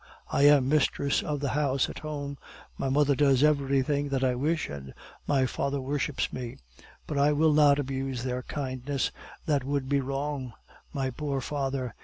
I am mistress of the house at home; my mother does everything that I wish, and my father worships me; but I will not abuse their kindness, that would be wrong. My poor father!